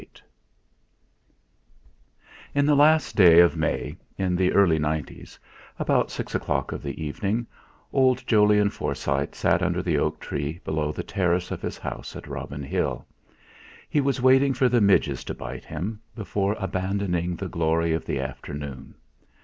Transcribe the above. Shakespeare I In the last day of May in the early 'nineties, about six o'clock of the evening, old Jolyon Forsyte sat under the oak tree below the terrace of his house at Robin Hill. He was waiting for the midges to bite him, before abandoning the glory of the afternoon.